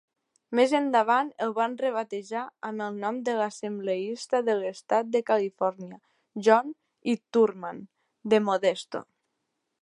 Més endavant el van rebatejar amb el nom de l'assembleista de l'estat de Califòrnia John I. Thurman, de Modesto.